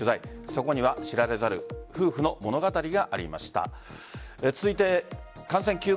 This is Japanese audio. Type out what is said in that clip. そこには知られざる夫婦の物語がありました。